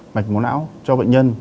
mạch máu não cho bệnh nhân